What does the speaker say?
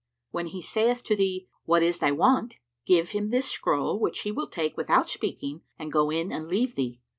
When he saith to thee, 'What is thy want?' give him this scroll which he will take without speaking and go in and leave thee.